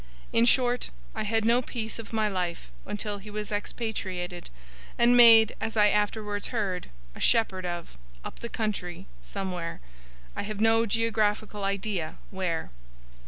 In short, I had no peace of my life until he was expatriated, and made (as I afterwards heard) a shepherd of, 'up the country' somewhere; I have no geographical idea where.